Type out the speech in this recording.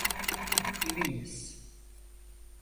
Eminiz.